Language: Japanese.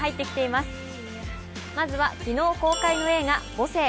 まずは昨日公開の映画「母性」。